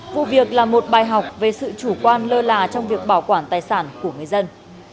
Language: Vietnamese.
vụ việc là một bài học về sự chủ quan lơ là trong việc bảo quản tài sản của người dân